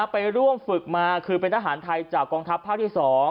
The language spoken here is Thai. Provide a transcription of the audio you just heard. ไปร่วมฝึกมาคือเป็นทหารไทยจากกองทัพภาคที่๒